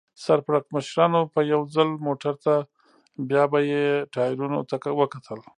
سر پړکمشرانو به یو ځل موټر ته بیا به یې ټایرونو ته وکتل.